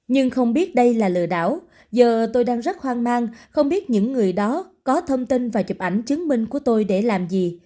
nhưng không biết đây là lừa đảo giờ tôi đang rất hoang mang không biết những người đó có thông tin và chụp ảnh chứng minh của tôi để làm gì